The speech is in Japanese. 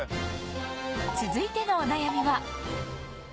続いてのお悩みは